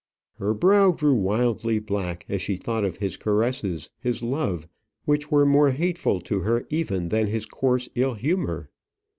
Her brow grew wildly black as she thought of his caresses, his love, which were more hateful to her even than his coarse ill humour.